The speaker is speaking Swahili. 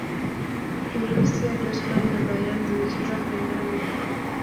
borusia dortmund na bayern zilicheza fainali